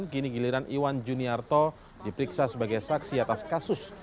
kini giliran iwan juniarto diperiksa sebagai saksi atas kasus